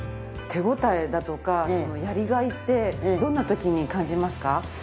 手応えだとかやりがいってどんな時に感じますか？